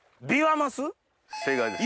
正解です。